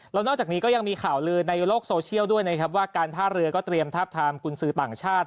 แล้วนอกจากนี้ก็ยังมีข่าวลือในโลกโซเชียลด้วยนะครับว่าการท่าเรือก็เตรียมทาบทามกุญสือต่างชาติ